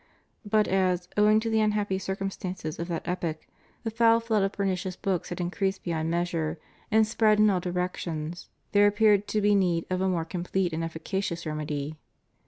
But as, owing to the unhappy circumstances of that epoch, the foul flood of pernicious THE PROHIBITION AND CENSORSHIP OF BOOKS. 409 books had increased beyond measure and spread in all directions, there appeared to be need of a more complete and efficacious remedy.